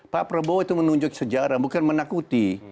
pak prabowo itu menunjuk sejarah bukan menakuti